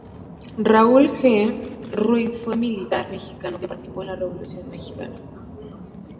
Raúl G. Ruiz fue un militar mexicano que participó en la Revolución mexicana.